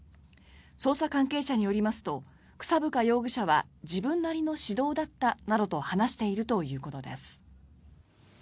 捜査関係者によりますと草深容疑者は自分なりの指導だったなどと話しているということです。